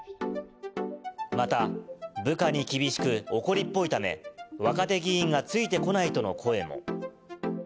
また、部下に厳しく怒りっぽいため、若手議員がついてこないとの声も。